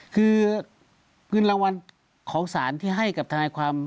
ขึ้นรางวัลของสารที่ให้กับธนายความ